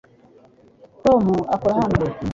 tom akora hano